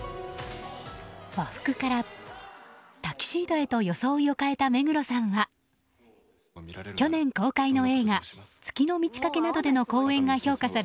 和服からタキシードへと装いを変えた目黒さんは去年公開の映画「月の満ち欠け」などでの共演が評価され